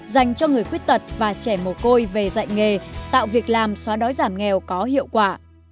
dành cho người khuyết tật và trẻ mồ côi về dạy nghề tạo việc làm xóa đói giảm nghèo có hiệu quả